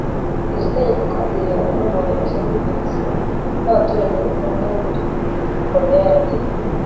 Iri tegeko kandi rireba bamwe mu bayobozi bo muri Venezuela n’abaturage bamwe bo muri Koreya ya Ruguru